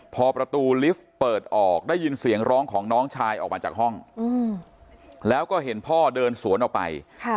พอประตูลิฟต์เปิดออกได้ยินเสียงร้องของน้องชายออกมาจากห้องแล้วก็เห็นพ่อเดินสวนออกไป